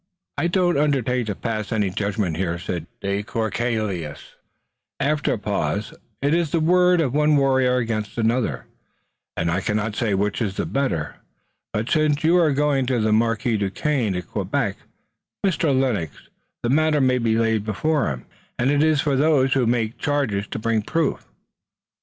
"I don't undertake to pass any judgment here," said de Courcelles, after a pause. "It is the word of one warrior against another, and I cannot say which is the better. But since you are going to the Marquis Duquesne at Quebec, Mr. Lennox, the matter may be laid before him, and it is for those who make charges to bring proof."